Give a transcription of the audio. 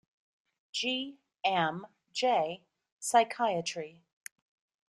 G. Am J Psychiatry.